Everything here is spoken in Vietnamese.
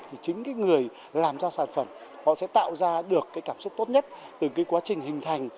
thì chính cái người làm ra sản phẩm họ sẽ tạo ra được cái cảm xúc tốt nhất từ cái quá trình hình thành